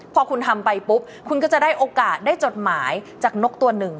พอคุณทำไปปุ๊บคุณก็จะได้โอกาสได้จดหมายจากนกตัวหนึ่ง